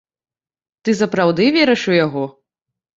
Ты сапраўды верыш у яго?